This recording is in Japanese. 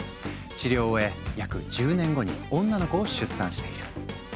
治療を終え約１０年後に女の子を出産している。